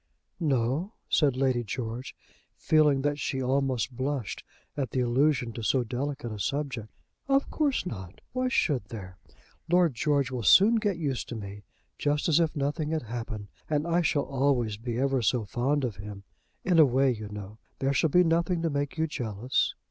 "No," said Lady George, feeling that she almost blushed at the allusion to so delicate a subject. "Of course not. Why should there? Lord George will soon get used to me, just as if nothing had happened; and I shall always be ever so fond of him, in a way, you know. There shall be nothing to make you jealous."